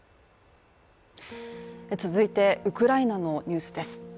続いて、ウクライナのニュースです。